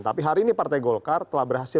tapi hari ini partai golkar telah berhasil